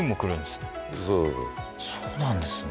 そうなんですね